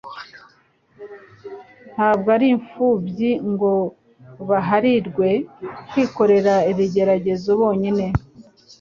ntabwo ari imfubyi ngo baharirwe kwikorera ibigeragezo bonyine.